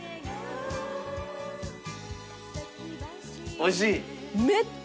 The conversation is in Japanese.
おいしい？